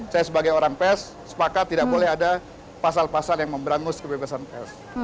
saya sebagai orang pers sepakat tidak boleh ada pasal pasal yang memberangus kebebasan pers